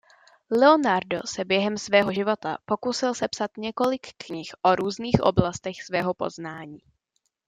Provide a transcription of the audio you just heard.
Leonardo se během svého života pokusil sepsat několik knih o různých oblastech svého poznání.